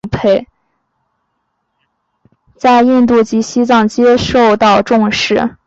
在印度及西藏皆受到重视。